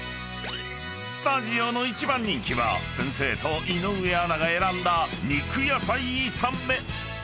［スタジオの一番人気は先生と井上アナが選んだ肉野菜炒め］